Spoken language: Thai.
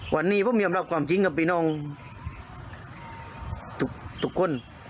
วันนี้ผมยอมรับความจริงกับพี่น้องทุกคน